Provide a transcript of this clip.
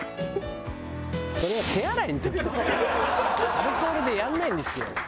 アルコールでやんないんですよ。